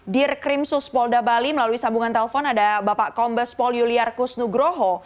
dear krimsus polda bali melalui sambungan telepon ada bapak kombes paul yuliar kusnugroho